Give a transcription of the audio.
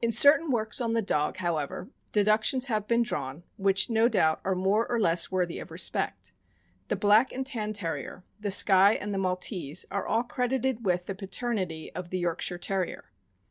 In certain works on the dog, however, deductions have been drawn which no doubt are more or less worthy of respect. The Black and Tan Terrier, the Skye, and the Maltese are all credited with the paternity of the Yorkshire Terrier.